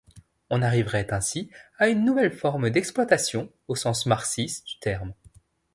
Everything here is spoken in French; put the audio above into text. On arriverait ainsi à une nouvelle forme d'exploitation au sens marxiste du terme.